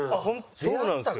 そうなんですよ。